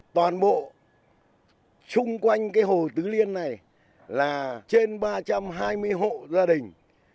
toàn bộ xung quanh cái hồ tứ liên này là trên ba trăm hai mươi hộ gia đình